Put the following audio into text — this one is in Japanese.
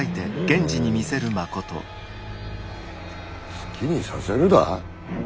「好きにさせる」だ？